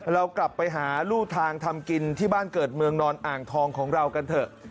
เรากลับไปหารู่ทางทำกินที่บ้านเกิดเมืองนอนอ่างทองของเรากันเถอะ